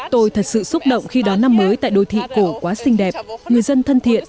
tôi thật sự xúc động khi đón năm mới tại đô thị cổ quá xinh đẹp người dân thân thiện